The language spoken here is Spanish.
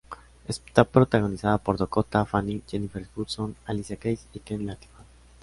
Está protagonizada por Dakota Fanning, Jennifer Hudson, Alicia Keys y Queen Latifah.